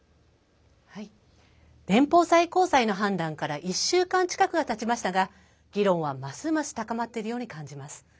連邦最高裁の判断から１週間近くがたちましたが議論はますます高まっているように感じます。